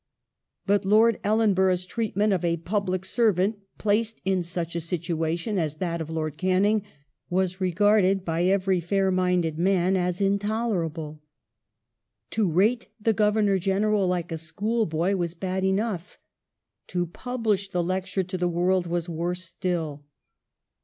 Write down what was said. But Lord Ellenborough's treatment of a public servant placed in such a situation as that of Lord Canning was regarded by every fair minded man as intoler able. To rate the Governor General like a schoolboy was bad enough, to publish the lecture to the world was worse still.